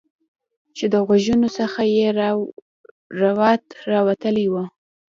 چې د غوږونو څخه یې روات راوتلي وو